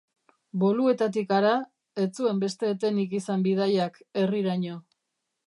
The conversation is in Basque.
Boluetatik hara, ez zuen beste etenik izan bidaiak, herriraino.